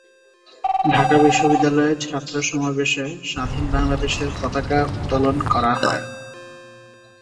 ঢাকা বিশ্ববিদ্যালয়ে ছাত্র সমাবেশে স্বাধীন বাংলাদেশের পতাকা উত্তোলন করা হয়।